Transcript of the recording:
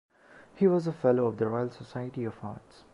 He was a Fellow of the Royal Society of Arts.